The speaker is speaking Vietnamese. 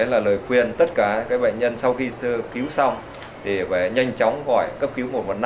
chúng ta lời khuyên tất cả các bệnh nhân sau khi cứu xong thì phải nhanh chóng gọi cấp cứu một trăm một mươi năm